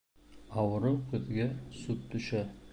Ауырыу күҙгә сүп төшә.